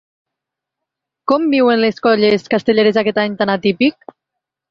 Com viuen les colles castelleres aquest any tan atípic?